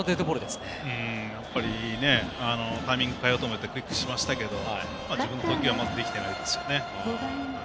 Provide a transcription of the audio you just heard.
やっぱり、タイミング変えようと思ってクイックしましたけど自分の投球がまだできてないですよね。